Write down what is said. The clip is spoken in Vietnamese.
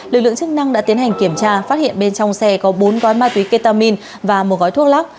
lực lượng chức năng đã tiến hành kiểm tra phát hiện bên trong xe có bốn gói ma túy ketamin và một gói thuốc lắc